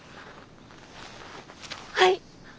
はい！